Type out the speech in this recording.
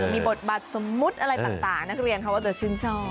มีบทบาทสมมุติอะไรต่างนักเรียนเขาก็จะชื่นชอบ